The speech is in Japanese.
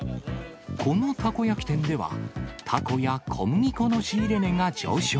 このたこ焼き店では、たこや小麦粉の仕入れ値が上昇。